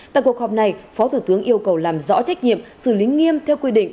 tại cuộc họp này phó thủ tướng yêu cầu làm rõ trách nhiệm xử lý nghiêm theo quy định